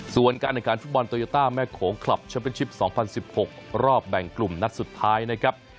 ส่วนการแข่งขันฟุตบอลโตโยต้าแม่โขงคลับแชมเป็นชิป๒๐๑๖รอบแบ่งกลุ่มนัดสุดท้ายนะครับ